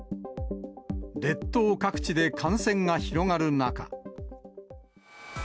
列島各地で感染が広がる中。